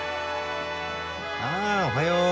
あおはよう。